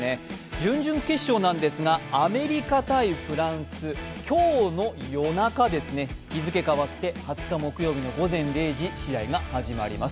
準々決勝なんですが、アメリカ×フランス、今日の夜中ですね、日付変わって２０日木曜日の午前０時試合が始まります。